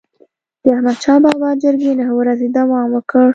د احمدشاه بابا جرګي نه ورځي دوام وکړ.